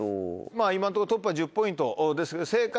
今のとこトップは１０ポイントですんで。